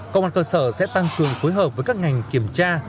công an cơ sở sẽ tăng cường phối hợp với các ngành kiểm tra